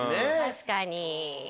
確かに。